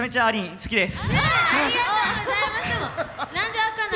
好きです。